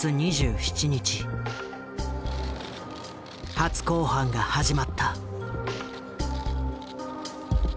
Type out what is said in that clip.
初公判が始まった。